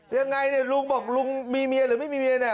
ยังไงเนี่ยลุงบอกลุงมีเมียหรือไม่มีเมียเนี่ย